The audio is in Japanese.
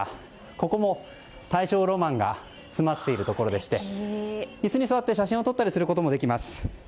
ここも大正ロマンが詰まっているところでして椅子に座って写真を撮ることもできます。